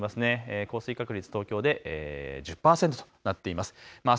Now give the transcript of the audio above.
降水確率、東京で１０％となっています。